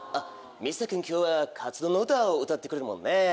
水田君今日は『カツ丼の歌』を歌ってくれるもんね。